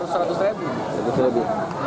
sekarang harus seratus ribu